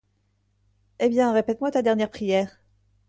Eh! bien, répète-moi ta dernière prière?